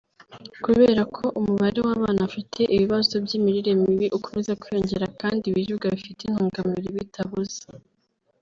Kubera ko umubare w’abana bafite ibibazo by’imirire mibi ukomeza kwiyongera kandi ibiribwa bifite intungamubiri bitabuze